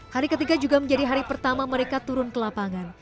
hari ketiga juga menjadi hari pertama mereka turun ke lapangan